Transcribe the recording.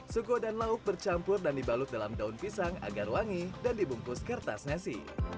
sugo dan lauk bercampur dan dibalut dalam daun pisang agar wangi dan dibungkus kertas nasi